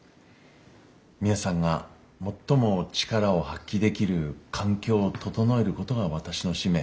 皆さんが最も力を発揮できる環境を整えることが私の使命。